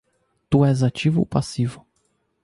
Tu és ativo ou passivo?